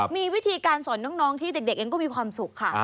มีวิธีการสอนน้องที่เด็กเองก็มีความสุขค่ะ